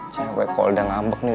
cewek kok udah ngambek nih